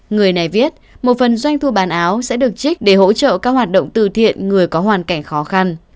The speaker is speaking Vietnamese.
người này viết một phần doanh thu bán áo sẽ được trích để hỗ trợ các hoạt động từ thiện người có hoàn cảnh khó khăn